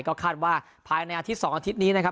ก็คาดว่าภายในอาทิตย์๒อาทิตย์นี้นะครับ